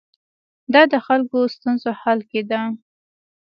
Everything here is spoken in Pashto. دا د خلکو ستونزو حل کې ده.